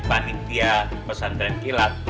panitia pesantren kilat